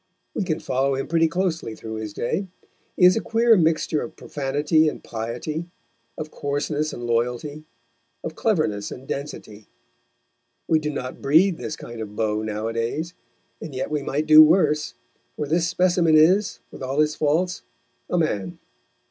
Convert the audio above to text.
We can follow him pretty closely through his day. He is a queer mixture of profanity and piety, of coarseness and loyalty, of cleverness and density; we do not breed this kind of beau nowadays, and yet we might do worse, for this specimen is, with all his faults, a man.